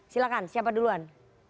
silahkan siapa duluan